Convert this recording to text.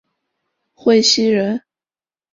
讳熙仁。